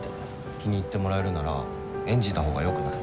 気に入ってもらえるなら演じたほうがよくない？